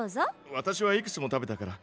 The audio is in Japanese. わたしはいくつも食べたから。